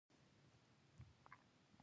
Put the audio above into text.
درس لولم.